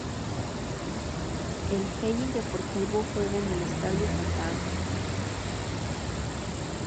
El Hellín Deportivo juega en el "Estadio Santa Ana".